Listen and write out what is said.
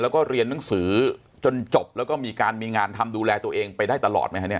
แล้วก็เรียนหนังสือจนจบแล้วก็มีการมีงานทำดูแลตัวเองไปได้ตลอดไหมฮะเนี่ย